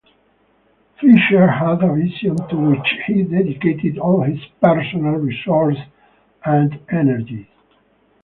Fisher had a vision to which he dedicated all his personal resources and energies.